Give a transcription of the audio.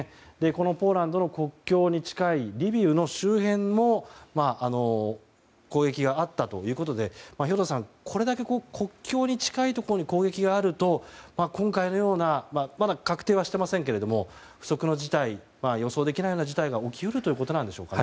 このポーランドの国境に近いリビウの周辺の攻撃があったということで兵頭さん、これだけ国境に近いところに攻撃があると今回のようなまだ確定はしていませんが不測の事態予想できないような事態が起き得るということなんでしょうか。